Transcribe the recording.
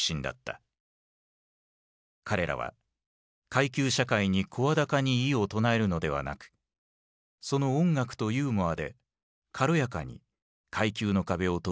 彼らは階級社会に声高に異を唱えるのではなくその音楽とユーモアで軽やかに階級の壁を飛び越えた。